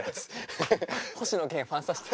星野源ファンサして。